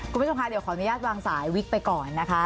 คุณผู้ชมค่ะเดี๋ยวขออนุญาตวางสายวิกไปก่อนนะคะ